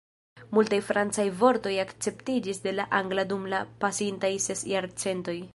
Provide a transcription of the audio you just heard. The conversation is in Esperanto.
Multaj francaj vortoj akceptiĝis de la angla dum la pasintaj ses jarcentoj.